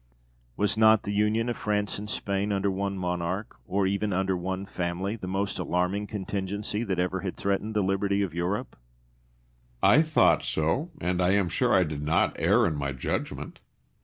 Was not the union of France and Spain under one monarch, or even under one family, the most alarming contingency that ever had threatened the liberty of Europe? William. I thought so, and I am sure I did not err in my judgment.